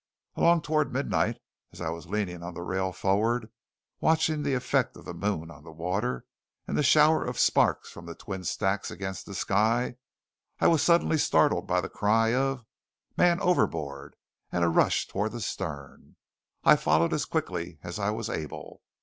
Along toward midnight, as I was leaning on the rail forward watching the effect of the moon on the water and the shower of sparks from the twin stacks against the sky, I was suddenly startled by the cry of "man overboard," and a rush toward the stern. I followed as quickly as I was able.